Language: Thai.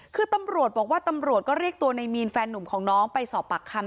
คือตำรวจบอกว่าตำรวจก็เรียกตัวในมีนแฟนหนุ่มของน้องไปสอบปากคำ